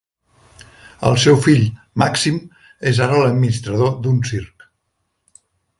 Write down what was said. El seu fill, Màxim, és ara l'administrador d'un circ.